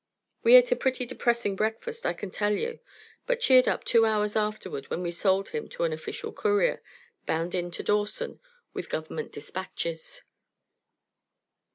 We ate a pretty depressing breakfast, I can tell you; but cheered up two hours afterward when we sold him to an official courier, bound in to Dawson with government dispatches.